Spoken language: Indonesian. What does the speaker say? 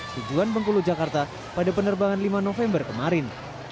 tujuan bengkulu jakarta pada penerbangan lima november kemarin